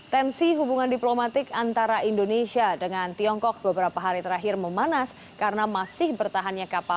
tensi hubungan diplomatik antara indonesia dengan tiongkok beberapa hari terakhir memanas karena masih bertahannya kapal